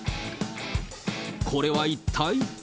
これは一体？